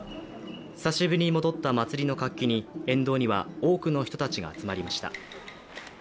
久しぶりに戻った祭りの活気に沿道には多くの人たちが集まりました。